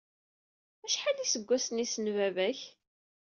Acḥal iseggasen-is n baba-k?